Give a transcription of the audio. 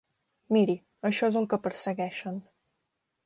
Miri, això és el que persegueixen.